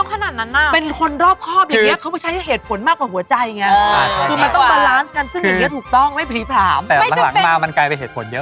ก่อนจีบเหรอ